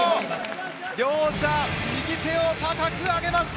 両者、右手を高く上げました！